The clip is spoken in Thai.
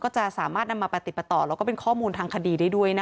จะสามารถนำมาปฏิปต่อแล้วก็เป็นข้อมูลทางคดีได้ด้วยนะคะ